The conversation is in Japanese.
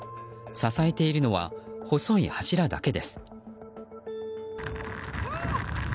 支えているのは、細い柱だけです。